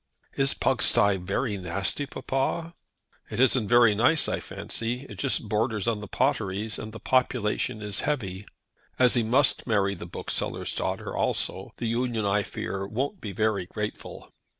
"Is Pugsty very nasty, papa?" "It isn't very nice, I fancy. It just borders on the Potteries, and the population is heavy. As he must marry the bookseller's daughter also, the union, I fear, won't be very grateful."